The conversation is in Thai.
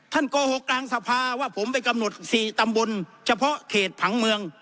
โกหกกลางสภาว่าผมไปกำหนด๔ตำบลเฉพาะเขตผังเมือง